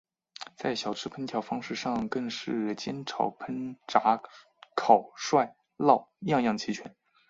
在小吃烹调方式上更是煎炒烹炸烤涮烙样样齐全。